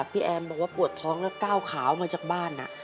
แอมบอกว่าปวดท้องแล้วก้าวขาวมาจากบ้าน